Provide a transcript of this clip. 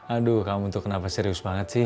aduh kamu tuh kenapa serius banget sih